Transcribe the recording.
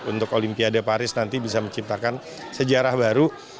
untuk olimpiade paris nanti bisa menciptakan sejarah baru